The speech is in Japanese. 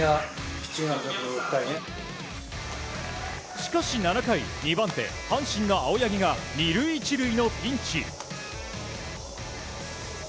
しかし７回２番手、阪神の青柳が２塁１塁のピンチ。